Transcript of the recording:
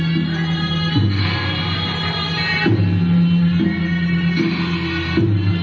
สุดท้ายสุดท้ายสุดท้าย